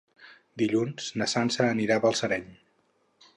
Dilluns na Sança anirà a Balsareny.